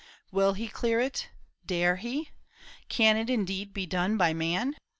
Will he clear it ? dare he ? Can It indeed be done by man ?